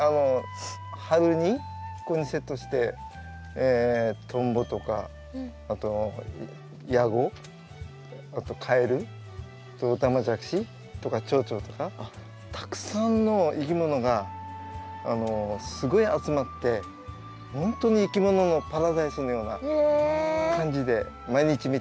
春にここにセットしてトンボとかあとヤゴあとカエルオタマジャクシとかチョウチョとかたくさんのいきものがすごい集まってほんとにいきもののパラダイスのような感じで毎日見てます。